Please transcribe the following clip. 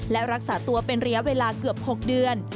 และรักษาตัวเป็นระยะเวลาเกือบ๖เดือน